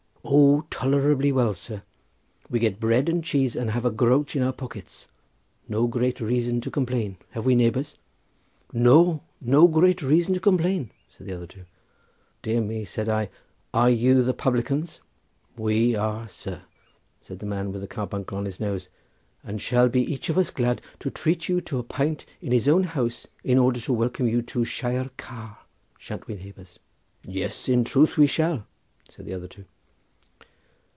"O, tolerably well, sir; we get bread and cheese and have a groat in our pockets. No great reason to complain; have we, neighbours?" "No! no great reason to complain," said the other two. "Dear me!" said I; "are you the publicans?" "We are, sir," said the man with the carbuncle on his nose, "and shall be each of us glad to treat you to a pint in his own house in order to welcome you to Shire Car—shan't we, neighbours?" "Yes, in truth we shall," said the other two.